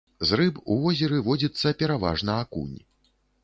З рыб у возеры водзіцца пераважна акунь.